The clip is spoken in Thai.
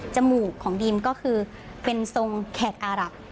มูกของดีมก็คือเป็นทรงแขกอารับ